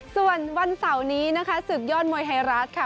ส่วนวันเสาร์นี้นะคะศึกยอดมวยไทยรัฐค่ะ